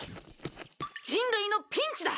人類のピンチだ。